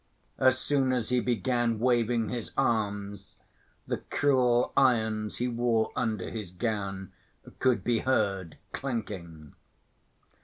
As soon as he began waving his arms, the cruel irons he wore under his gown could be heard clanking.